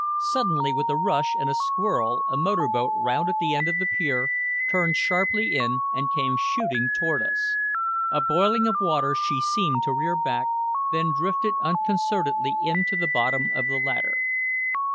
Suddenly with a rush and a swirl a motor boat rounded the end of the pier, turned sharply in and came shooting toward us. A boiling of water, she seemed to rear back, then drifted unconcernedly in to the bottom of the ladder.